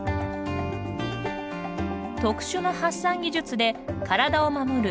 特殊な発散技術で、体を守る